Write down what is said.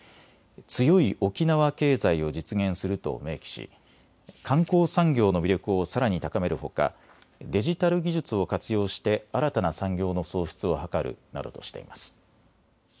強い沖縄経済を実現すると明記し観光産業の魅力をさらに高めるほかデジタル技術を活用して新たな産業の創出を図るなどとしています。